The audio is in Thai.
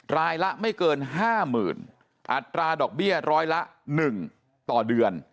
รายละไม่เกิน๕๐๐๐อัตราดอกเบี้ยร้อยละ๑ต่อเดือน